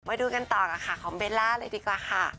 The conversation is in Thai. พายดูกันต่อค่ะของเบลล่าเลยดีกว่าค่ะ